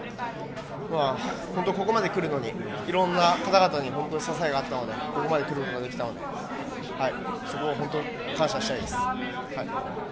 ここまで来るのにいろんな方々の支えがあってここまで来ることができたのでそこは本当に感謝したいです。